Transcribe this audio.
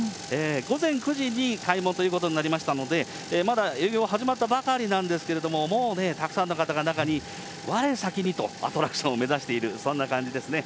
午前９時に開門ということになりましたので、まだ営業は始まったばかりなんですけれども、もうね、たくさんの方が中にわれ先にと、アトラクションを目指している、そんな感じですね。